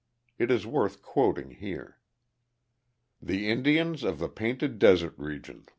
It is worth quoting here: The Indians of the Painted Desert Region.